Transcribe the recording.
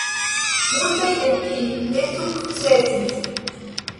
Multaj el ili ne sukcesis.